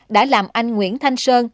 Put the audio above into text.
đã làm anh nguyễn thanh sơn